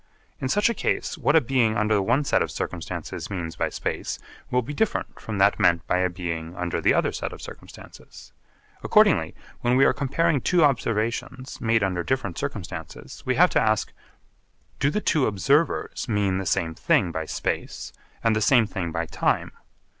In such a case what a being under the one set of circumstances means by space will be different from that meant by a being under the other set of circumstances. Accordingly when we are comparing two observations made under different circumstances we have to ask 'Do the two observers mean the same thing by space and the same thing by time?'